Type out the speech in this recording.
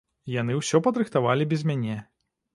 Яны ўсё падрыхтавалі без мяне.